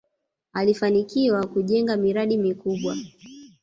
alifanikiwa kujenga miradi mikubwa